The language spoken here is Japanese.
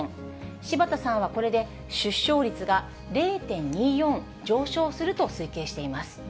柴田さんはこれで出生率が０．２４上昇すると推計しています。